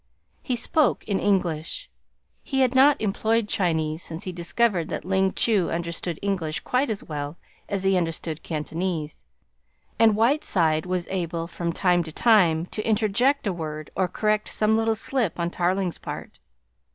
He spoke in English he had not employed Chinese since he discovered that Ling Chu understood English quite as well as he understood Cantonese, and Whiteside was able from time to time to interject a word, or correct some little slip on Tarling's part.